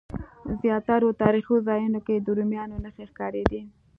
زیاترو تاریخي ځایونو کې د رومیانو نښې ښکارېدې.